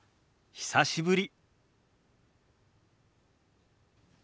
久しぶり。